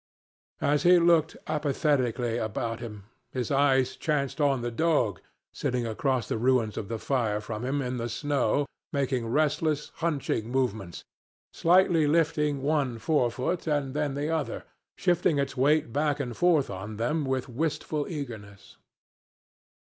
As he looked apathetically about him, his eyes chanced on the dog, sitting across the ruins of the fire from him, in the snow, making restless, hunching movements, slightly lifting one forefoot and then the other, shifting its weight back and forth on them with wistful eagerness.